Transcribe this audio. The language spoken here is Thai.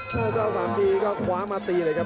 โทษแล้วสามจีก็คว้ามาตีเลยครับ